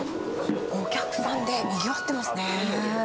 お客さんでにぎわってますねー。